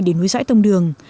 để nuôi dõi tông đường